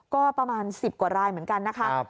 ก็ประมาณ๑๐กว่ารายเหมือนกันนะคะ